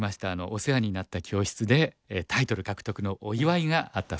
お世話になった教室でタイトル獲得のお祝いがあったそうです。